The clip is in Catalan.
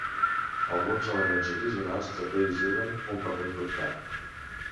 Alguns elements originals també hi juguen un paper important.